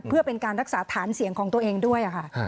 เพื่อเป็นการรักษาฐานเสียงของตัวเองด้วยค่ะ